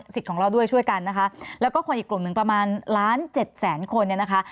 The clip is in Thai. ของเราด้วยช่วยกันนะคะแล้วก็คนอีกกลุ่มหนึ่งประมาณล้านเจ็ดแสนคนเนี่ยนะคะ